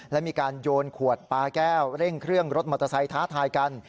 และมีการโยนขวดปลาแก้วเร่งเครื่องรถมอเตอร์ไซค์ท้าทายกัน